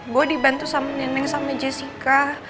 gue dibantu sama neneng sama jessica